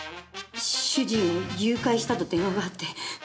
主人を誘拐したと電話があって。